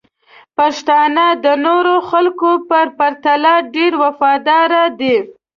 پښتانه د نورو خلکو په پرتله ډیر وفادار دي.